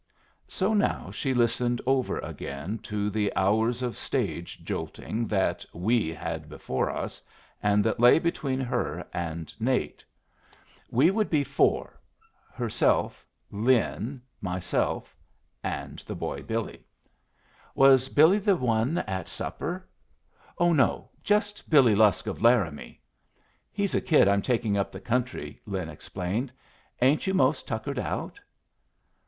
So now she listened over again to the hours of stage jolting that "we" had before us, and that lay between her and Nate. "We would be four herself, Lin, myself, and the boy Billy." Was Billy the one at supper? Oh no; just Billy Lusk, of Laramie. "He's a kid I'm taking up the country," Lin explained. "Ain't you most tuckered out?"